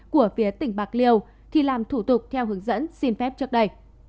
của phía tỉnh bạc liêu khi làm thủ tục theo hướng dẫn xin phép trước đây